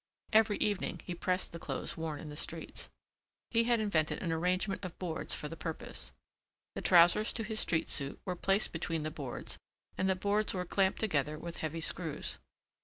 Every evening he pressed the clothes worn in the streets. He had invented an arrangement of boards for the purpose. The trousers to his street suit were placed between the boards and the boards were clamped together with heavy screws.